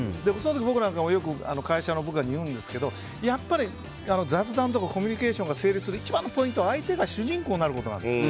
僕なんかもよく会社の部下に言うんですけどやっぱり、雑談とかコミュニケーションが成立する一番のポイントは相手が主人公になることなんですよ。